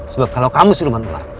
sebab kalau kamu siluman ular